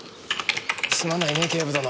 すまないね警部殿。